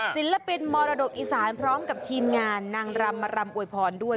ศิลปินมรดกอีสานพร้อมกับทีมงานนางรำมารำอวยพรด้วย